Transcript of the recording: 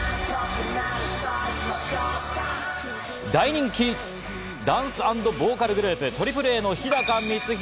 大人気ダンス＆ボーカルグループＡＡＡの日高光啓。